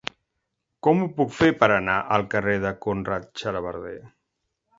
Com ho puc fer per anar al carrer de Conrad Xalabarder?